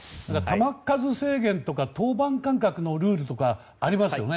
球数制限とか登板間隔のルールとかありますよね。